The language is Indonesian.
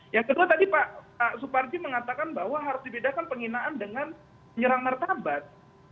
yang kedua tadi pak suparji mengatakan bahwa harus dibedakan penghinaan dengan menyerang martabat